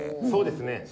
そうですね。